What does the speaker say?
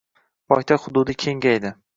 Poytaxt xududi kengaydi.